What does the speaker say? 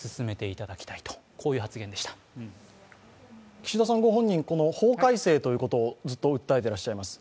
岸田さんご本人、法改正ということをずっと訴えていらっしゃいます。